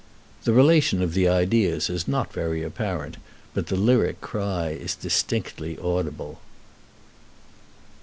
The relation of the ideas is not very apparent, but the lyric cry is distinctly audible.